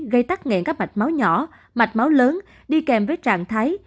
gây tắc nghẹn các mạch máu nhỏ mạch máu lớn đi kèm với trạng thái